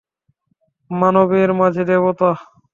মানবের মাঝে দেবতা!